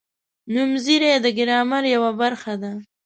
نومځري د ګرامر یوه برخه ده.